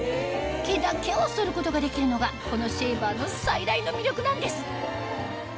毛だけを剃ることができるのがこのシェーバーの最大の魅力なんです